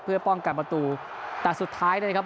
เพื่อป้องกันประตูแต่สุดท้ายนะครับ